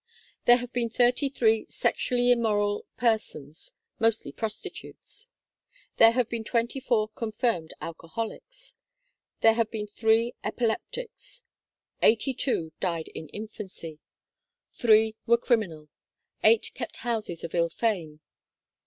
There have been thirty three sexually immoral per sons, mostly prostitutes. There have been twenty four confirmed alcoholics. There have been three epileptics. Eighty two died in infancy. THE DATA 19 Three were criminal. Eight kept houses of ill fame.